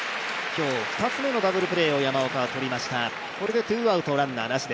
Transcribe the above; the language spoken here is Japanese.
今日、２つ目のダブルプレーを山岡は取りました。